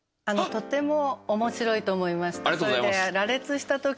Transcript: とても面白いと思いました。